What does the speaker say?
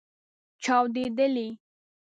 چاودیدلې